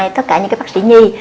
tất cả những bác sĩ nhi